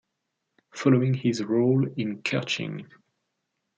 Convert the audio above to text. Following his role in Kerching!